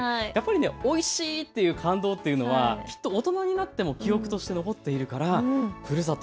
おいしいっていう感動というのは大人になっても記憶として残っているからふるさと